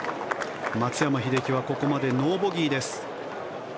松山英樹はここまでノーボギーです。